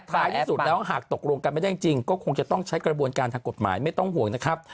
ท้ายที่สุดแล้วหากตกลงกันไม่ได้จริงก็คงจะต้องใช้กระบวนการทางกฎหมายไม่ต้องห่วงนะครับ